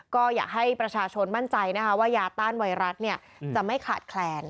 ก็อยากให้ประชาชนมั่นใจนะคะว่ายาต้านไวรัสจะไม่ขาดแคลน